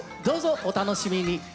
どうぞお楽しみに。